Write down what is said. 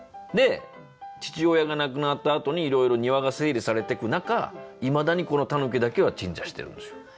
父親が亡くなったあとにいろいろ庭が整理されてく中いまだにこのタヌキだけは鎮座してるんですよ。